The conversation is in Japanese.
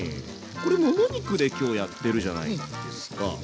これもも肉で今日やってるじゃないですか。